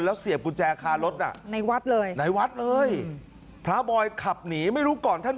แล้วเสียบกุญแจคารถน่ะในวัดเลยในวัดเลยพระบอยขับหนีไม่รู้ก่อนท่าน